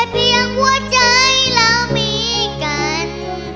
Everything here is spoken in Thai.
เพียงหัวใจเรามีกัน